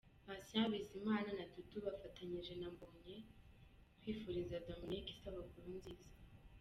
Patient Bizimana na Dudu bafatanyije na Mbonyi kwifuriza Dominic isabukuru nziza.